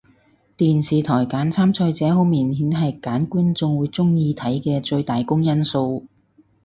電視台揀參賽者好明顯係揀觀眾會鍾意睇嘅最大公因數